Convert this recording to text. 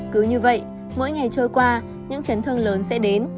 cứ như vậy mỗi ngày trôi qua những chấn thương lớn sẽ đến